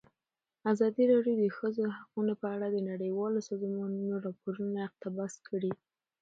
ازادي راډیو د د ښځو حقونه په اړه د نړیوالو سازمانونو راپورونه اقتباس کړي.